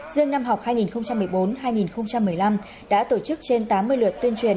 riêng năm học hai nghìn một mươi bốn hai nghìn một mươi năm đã tổ chức trên tám mươi lượt tuyên truyền